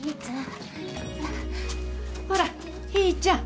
ほらひーちゃん。